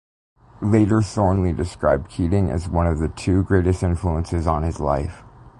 Later Thornley described Keating as one of the two greatest influences on his life.